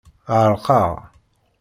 Ɛerqeɣ.